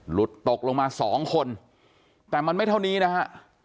หลุดตกลงมาสองคนแต่มันไม่เท่านี้นะฮะ